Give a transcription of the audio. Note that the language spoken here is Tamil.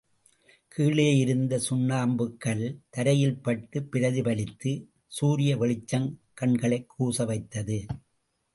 கீழேயிருந்த சுண்ணாம்புக்கல் தரையில்பட்டுப் பிரதிபலித்து சூரிய வெளிச்சம் கண்களைக் கூச வைத்தது.